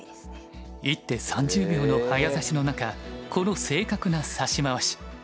１手３０秒の早指しの中この正確な指し回し。